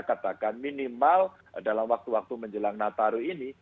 katakan minimal dalam waktu waktu menjelang nataru ini